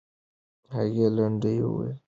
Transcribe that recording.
هغې لنډۍ وویلې.